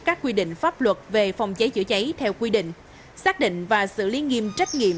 các quy định pháp luật về phòng cháy chữa cháy theo quy định xác định và xử lý nghiêm trách nhiệm